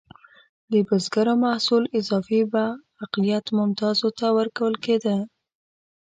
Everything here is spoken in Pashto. د بزګرو محصول اضافي به اقلیت ممتازو ته ورکول کېده.